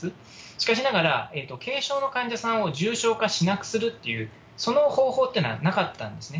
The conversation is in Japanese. しかしながら、軽症の患者さんを重症化しなくするっていう、その方法ってのはなかったんですね。